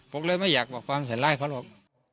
ผมเลยไม่อยากบอกความใส่ร้ายเขาหรอก